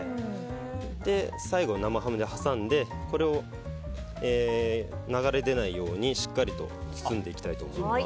最後、生ハムで挟んでこれを流れ出ないようにしっかりと包んでいきたいと思います。